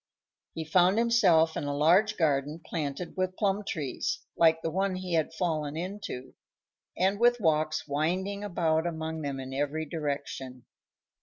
He found himself in a large garden planted with plum trees, like the one he had fallen into, and with walks winding about among them in every direction.